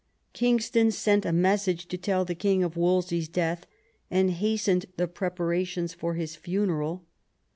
Kingston sent a message to tell the king of Wolsey's death, and hastened the preparations for his funeral.